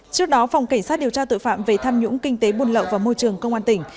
trước đó phòng cảnh sát điều tra tội phạm về tham nhũng kinh tế buôn lậu và môi trường công an tỉnh